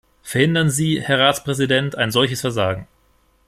Verhindern Sie, Herr Ratspräsident, ein solches Versagen.